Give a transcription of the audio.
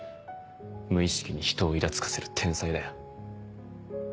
無意識に人をいらつかせる天才だよ。